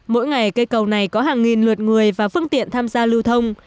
mỗi ngày cây cầu này có hàng nghìn lượt người và phương tiện tham gia lưu thông